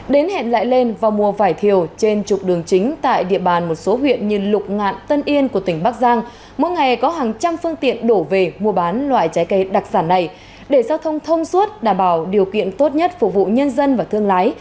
đến hẹn lại lên vào mùa vải thiều trên trục đường chính tại địa bàn một số huyện như lục ngạn tân yên của tỉnh bắc giang mỗi ngày có hàng trăm phương tiện đổ về mua bán loại trái cây đặc sản này để giao thông thông suốt đảm bảo điều kiện tốt nhất phục vụ nhân dân và thương lái